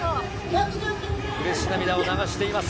うれし涙を流しています。